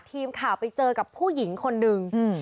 ทีมข่าวไปเจอกับผู้หญิงคนนึง